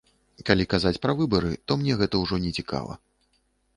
Калі казаць пра выбары, то мне гэта ўжо не цікава.